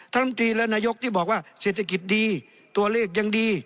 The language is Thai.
ลำตีและนายกที่บอกว่าเศรษฐกิจดีตัวเลขยังดี